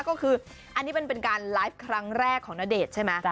ก็คืออันนี้เป็นการไลฟ์ครั้งแรกของณเดชน์ใช่ไหม